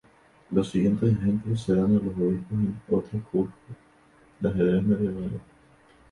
Los siguientes ejemplos se dan a los obispos en otros juegos de ajedrez medievales.